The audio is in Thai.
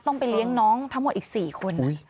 ต้องไปเลี้ยงน้องทั้งหมดอีก๔คน